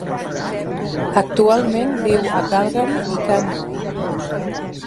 Actualment viu a Calgary i Canmore.